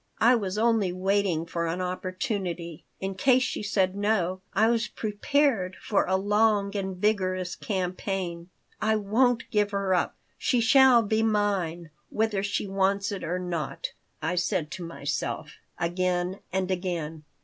I was only waiting for an opportunity. In case she said no, I was prepared for a long and vigorous campaign. "I won't give her up. She shall be mine, whether she wants it or not," I said to myself again and again.